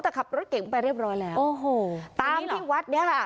แต่ขับรถเก่งไปเรียบร้อยแล้วโอ้โหตามที่วัดเนี้ยค่ะ